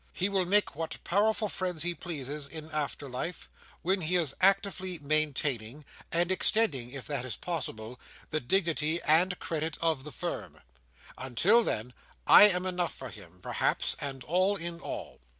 He will make what powerful friends he pleases in after life, when he is actively maintaining—and extending, if that is possible—the dignity and credit of the Firm. Until then, I am enough for him, perhaps, and all in all.